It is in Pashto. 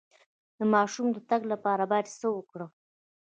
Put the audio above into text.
د ماشوم د تګ لپاره باید څه وکړم؟